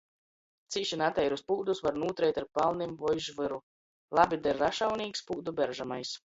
Cīši nateirus pūdus var nūtreit ar palnim voi žvyru, labi der rašaunīks, pūdu beržamais.